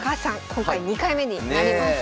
今回２回目になります。